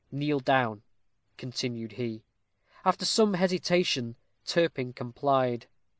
"Kneel down," continued he. After some hesitation, Turpin complied.